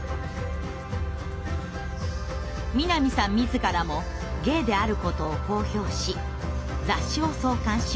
南さん自らもゲイであることを公表し雑誌を創刊しました。